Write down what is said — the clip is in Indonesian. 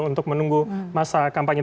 untuk menunggu masa kampanye